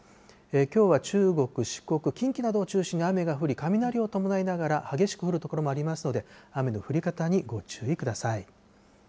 きょうは中国、四国、近畿などを中心に雨が降り、雷を伴いながら激しく降る所もありますので、雨の降り方にご注意ください。